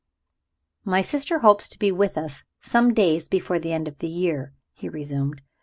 "My sister hopes to be with us some days before the end of the year," he resumed.